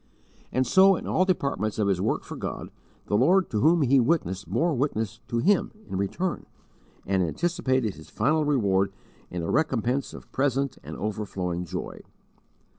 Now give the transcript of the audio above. And so, in all departments of his work for God, the Lord to whom he witnessed bore witness to him in return, and anticipated his final reward in a recompense of present and overflowing joy.